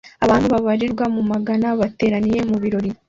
Abantu babarirwa mu magana bateraniye mu birori